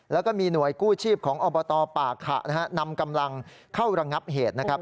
แล้วก็มีหน่วยกู้ชีพของอบตป่าขะนะฮะนำกำลังเข้าระงับเหตุนะครับ